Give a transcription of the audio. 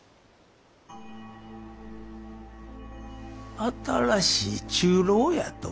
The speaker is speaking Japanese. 新しい中臈やと。